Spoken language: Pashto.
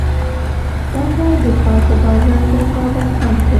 دا کار د کار په بازار کې رقابت کم کړ.